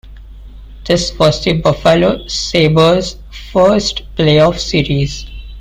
This was the Buffalo Sabres' first playoff series.